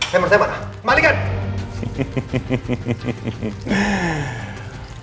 saya mertemana kembalikan